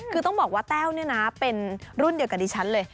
คือต้องบอกว่าแต้วเนี่ยนะเป็นรุ่นเดียวกับดิฉันเลย